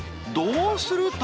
［どうする？